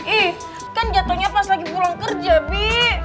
ih kan jatuhnya pas lagi pulang kerja bi